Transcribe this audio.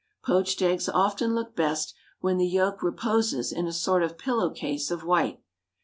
Poached eggs often look best when the yolk reposes in a sort of pillow case of white.